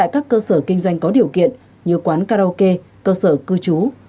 các cơ sở kinh doanh có điều kiện như quán karaoke cơ sở cư trú